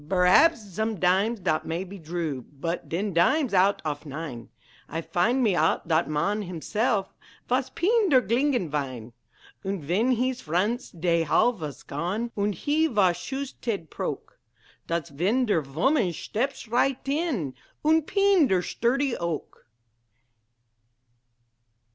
Berhaps, somedimes, dot may be drue; Budt, den dimes oudt off nine, I find me oudt dot man himself Vas peen der glinging vine; Und ven hees friendts dhey all vas gone, Und he vas shust "tead proke," Dot's ven der voman shteps righdt in, Und peen der shturdy oak.